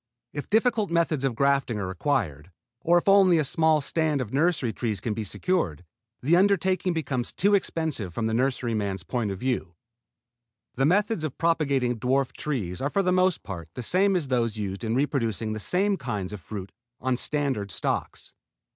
If difficult methods of grafting are required, or if only a small stand of nursery trees can be secured, the undertaking becomes too expensive from the nurseryman's point of view. The methods of propagating dwarf trees are for the most part the same as those used in reproducing the same kinds of fruit on standard stocks.